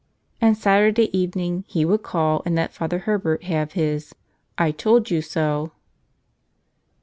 And Saturday evening he would call and let Father Herbert have his "'I told you so